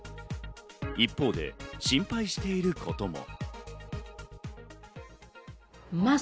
一方で心配していることも。